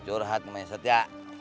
curhat sama ustadz ya